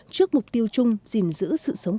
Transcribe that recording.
trước mục tiêu chung giữ sự sống